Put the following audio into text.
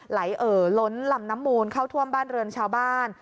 เอ่อล้นลำน้ำมูลเข้าท่วมบ้านเรือนชาวบ้าน